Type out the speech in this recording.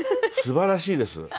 すばらしいです。